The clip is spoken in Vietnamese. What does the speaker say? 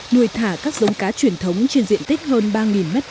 nuôi thả các giống cá truyền thống trên diện tích hơn ba m hai